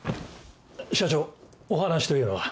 社長お話というのは？